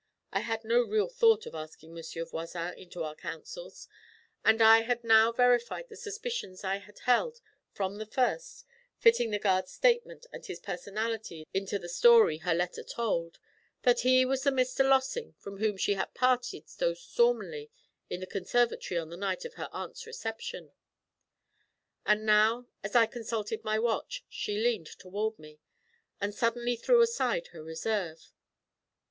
I had no real thought of asking Monsieur Voisin into our councils, and I had now verified the suspicions I had held from the first fitting the guard's statement and his personality into the story her letter told that he was the Mr. Lossing from whom she had parted so stormily in the conservatory on the night of her aunt's reception. And now, as I consulted my watch, she leaned toward me, and suddenly threw aside her reserve.